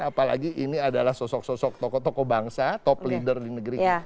apalagi ini adalah sosok sosok tokoh tokoh bangsa top leader di negeri kita